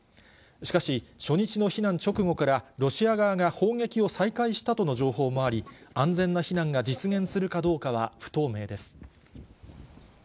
しかし、初日の避難直後から、ロシア側が砲撃を再開したとの情報もあり、安全な避難が実現するかどうかは不透明です。